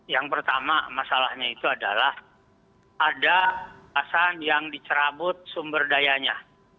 yang pertama masalahnya itu adalah ada perasaan yang dicerabut sumber dayanya